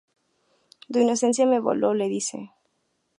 Tu inocencia me voló", le dice.